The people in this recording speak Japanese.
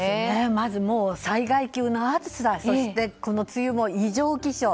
まず、災害級の暑さそして、この梅雨の異常気象。